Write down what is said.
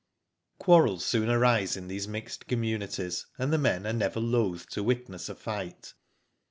Quarrels soon arise in these mixed communities, and the men are never loth to witness a fight.